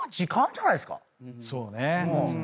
そうね。